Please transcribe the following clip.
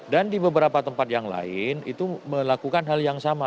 dan di beberapa tempat yang lain itu melakukan hal yang sama